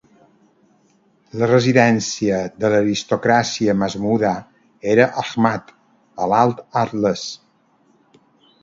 La residència de l'aristocràcia Masmuda era Aghmat, a l'Alt Altes.